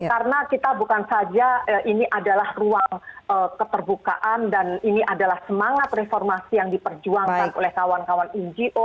karena kita bukan saja ini adalah ruang keperbukaan dan ini adalah semangat reformasi yang diperjuangkan oleh kawan kawan ngo